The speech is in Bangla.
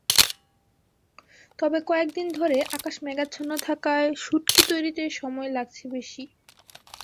তবে কয়েক দিন ধরে আকাশ মেঘাচ্ছন্ন থাকায় শুঁটকি তৈরিতে সময় লাগছে বেশি।